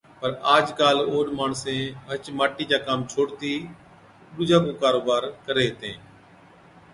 پَر آج ڪاله اوڏ ماڻسين هچ ماٽِي چا ڪام ڇوڙتِي ڏُوجا ڪو ڪاروبار ڪري هِتين،